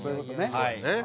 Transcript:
はい。